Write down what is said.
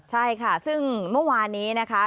ใช่ค่ะซึ่งเมื่อวานนี้นะคะ